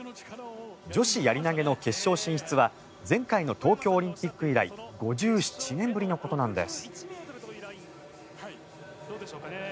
女子やり投げの決勝進出は前回の東京オリンピック以来５７年ぶりのことなんです。